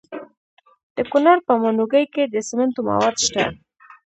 د کونړ په ماڼوګي کې د سمنټو مواد شته.